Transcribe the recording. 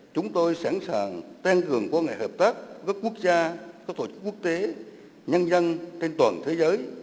chúng tôi sẵn sàng tăng cường quan hệ hợp tác với các quốc gia các tổ chức quốc tế nhân dân trên toàn thế giới